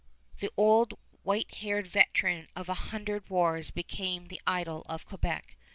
The old white haired veteran of a hundred wars became the idol of Quebec.